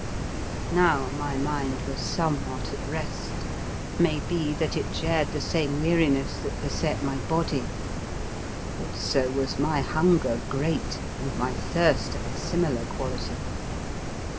Now my mind was somewhat at rest, maybe that it shared the same weariness that beset my body; also was my hunger great and my thirst of a similar quality.